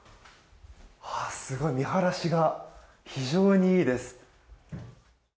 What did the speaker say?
すごい見晴らしが非常にいいです。